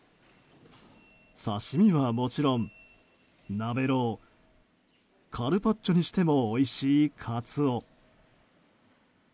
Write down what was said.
刺し身はもちろん、なめろうカルパッチョにしてもおいしいカツオ。